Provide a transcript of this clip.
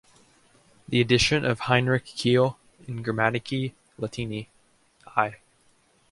The edition of Heinrich Keil, in "Grammatici Latini", i.